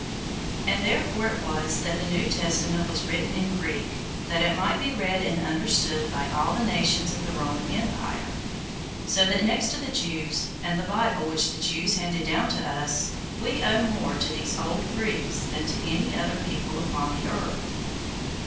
And therefore it was that the New Testament was written in Greek, that it might be read and understood by all the nations of the Roman empire; so that, next to the Jews, and the Bible which the Jews handed down to us, we owe more to these old Greeks than to any people upon earth.